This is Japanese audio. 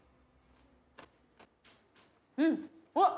うんわっ！